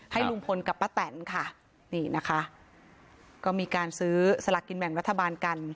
ลุงพลกับป้าแตนค่ะนี่นะคะก็มีการซื้อสลากกินแบ่งรัฐบาลกัน